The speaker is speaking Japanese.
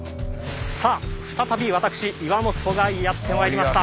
さあ再び私岩元がやってまいりました。